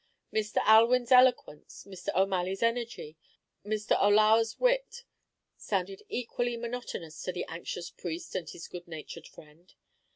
Mr. Allewinde's eloquence, Mr. O'Malley's energy, and Mr. O'Laugher's wit, sounded equally monotonous to the anxious priest and his good natured friend.